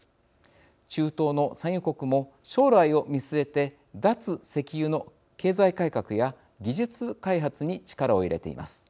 中東の産油国も、将来を見据えて脱石油の経済改革や技術開発に力を入れています。